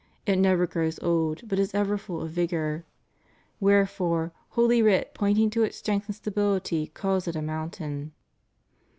It never grows old, but is ever full of vigor. Wherefore holy writ pointing to its strength and stability calls it a mountain."